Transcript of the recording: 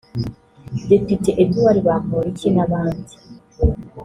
Depite Edouard Bamporiki n’abandi